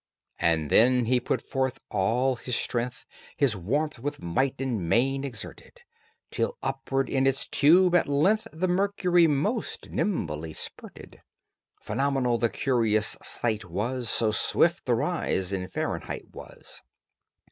And then he put forth all his strength, His warmth with might and main exerted, Till upward in its tube at length The mercury most nimbly spurted. Phenomenal the curious sight was, So swift the rise in Fahrenheit was.